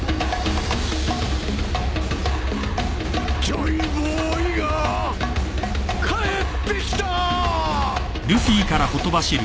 ジョイボーイが帰ってきた！